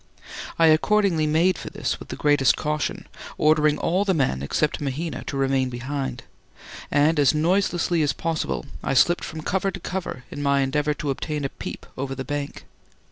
I accordingly made for this with the greatest caution, ordering all the men, except Mahina, to remain behind; and as noiselessly as possible I slipped from cover to cover in my endeavour to obtain a peep over the bank.